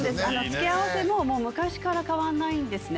付け合わせも昔から変わんないんです。